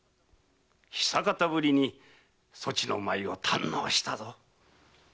久方ぶりにそちの舞いを堪能したぞ。